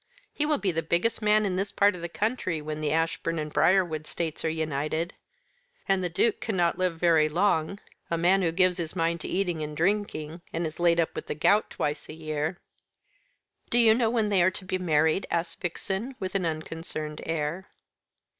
He will be the biggest man in this part of the country when the Ashbourne and Briarwood estates are united. And the Duke cannot live very long a man who gives his mind to eating and drinking, and is laid up with the gout twice a year." "Do you know when they are to be married?" asked Vixen, with an unconcerned air.